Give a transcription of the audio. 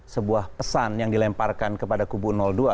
sebuah pesan yang dilemparkan kepada kubu dua